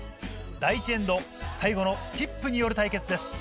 第１エンド最後のスキップによる対決です。